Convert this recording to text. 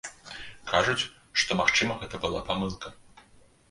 Кажуць, што, магчыма, гэта была памылка.